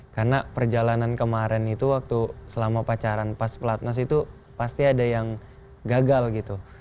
karena perjalanan kemarin itu waktu selama pacaran pas platnas itu pasti ada yang gagal gitu